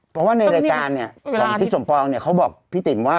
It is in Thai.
เพราะว่าในรายการของพี่สมปองเขาบอกพี่ติ๋มว่า